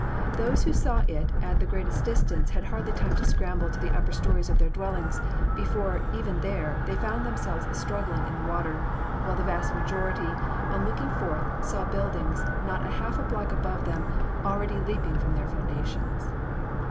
Those who saw it at the greatest distance had hardly time to scramble to the upper stories of their dwellings, before, even there, they found themselves struggling in the water; while the vast majority, on looking forth, saw buildings, not a half block above them, already leaping from their foundations.